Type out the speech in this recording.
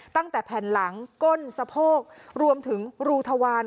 ตั้งแต่แผ่นหลังก้นสะโพกรวมถึงรูทวาร